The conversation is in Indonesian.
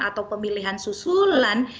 atau pemilihan susulan